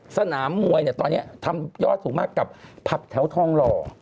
สนามมวยเนี่ยตอนนี้ทำยอดสูงมากกับผับแถวทองหล่อ